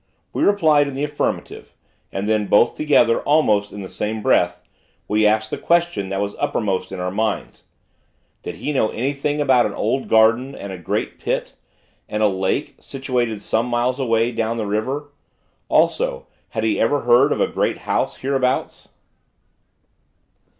We replied in the affirmative; and then, both together, almost in the same breath, we asked the question that was uppermost in our minds: Did he know anything about an old garden, and a great pit, and a lake, situated some miles away, down the river; also, had he ever heard of a great house thereabouts?